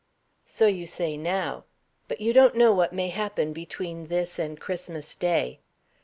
"So you say now; but you don't know what may happen between this and Christmas day.